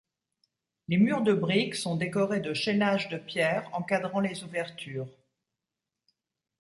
Les murs de brique sont décorés de chaînages de pierre encadrant les ouvertures.